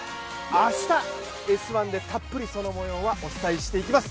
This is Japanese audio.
明日、「Ｓ☆１」でたっぷりそのもようはお伝えしていきます。